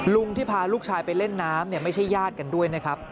ลุงที่พาลูกชายไปเล่นน้ำไม่ใช่ญาติกันด้วยนะครับ